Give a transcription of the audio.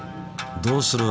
どうする？